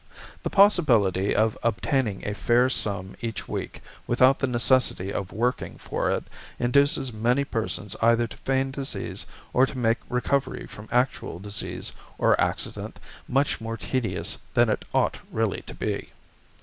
The possibility of obtaining a fair sum each week without the necessity of working for it induces many persons either to feign disease or to make recovery from actual disease or accident much more tedious than it ought really to be.